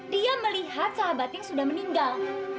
dia melihat sahabatnya sudah meninggal